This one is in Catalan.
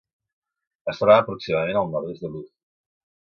Es troba aproximadament al nord-est de Louth.